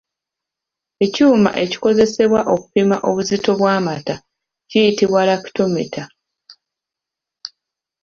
Ekyuma ekikozesebwa okupima obuzito bw’amata kiyitibwa “lactometer”.